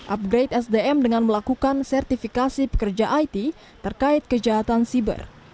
upgrade sdm dengan melakukan sertifikasi pekerja it terkait kejahatan siber